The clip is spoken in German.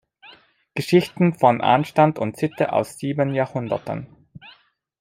Geschichten von Anstand und Sitte aus sieben Jahrhunderten".